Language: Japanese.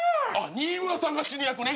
新村さんが死ぬ役ね。